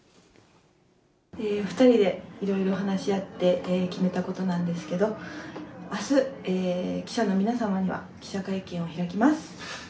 ２人でいろいろ話し合って決めたことなんですけど、あす、記者の皆様には記者会見を開きます。